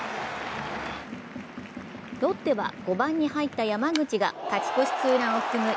ロッテは５番に入った山口が勝ち越しツーランを含む